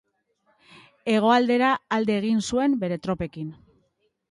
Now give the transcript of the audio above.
Hegoaldera alde egin zuen, bere tropekin.